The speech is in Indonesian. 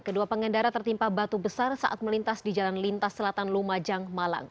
kedua pengendara tertimpa batu besar saat melintas di jalan lintas selatan lumajang malang